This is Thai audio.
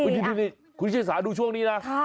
คุณพี่เชษฐาดูช่วงนี้นะ